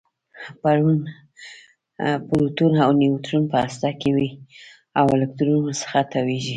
پروټون او نیوټرون په هسته کې وي او الکترون ورڅخه تاویږي